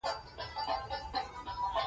نیکه له ویاړه ډک زړه لري.